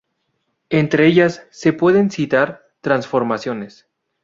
Entre ellas se pueden citar “Transformaciones.